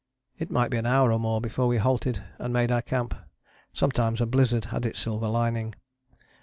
It might be an hour or more before we halted and made our camp: sometimes a blizzard had its silver lining.